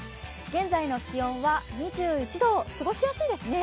現在の気温は２１度、過ごしやすいですね。